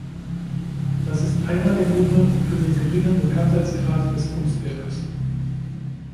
Das ist einer der Gründe für den geringen Bekanntheitsgrad des Kunstwerkes.